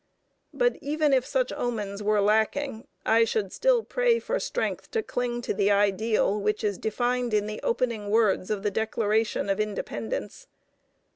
But even if such omens were lacking I should still pray for strength to cling to the ideal which is defined in the opening words of the Declaration of Independence.